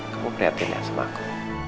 kamu prihatin ya sama aku